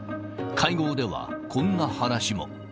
会合では、こんな話も。